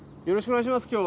よろしくお願いします。